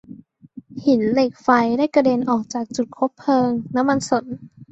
หินเหล็กไฟได้กระเด็นออกและจุดคบเพลิงน้ำมันสน